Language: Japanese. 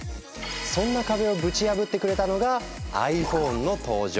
そんな壁をぶち破ってくれたのがｉＰｈｏｎｅの登場。